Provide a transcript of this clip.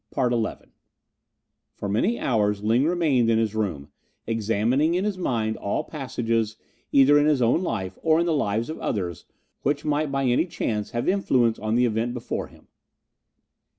CHAPTER XI For many hours Ling remained in his room, examining in his mind all passages, either in his own life or in the lives of others, which might by any chance have influence on the event before him.